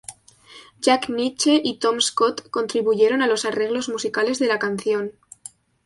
Jack Nitzsche y Tom Scott contribuyeron a los arreglos musicales de la canción.